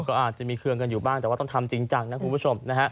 ก็อาจจะมีเครื่องกันอยู่บ้างแต่ว่าต้องทำจริงจังนะคุณผู้ชมนะฮะ